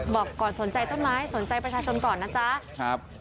บอกก่อนสนใจต้นไม้สนใจประชาชนก่อนนะจ๊ะครับ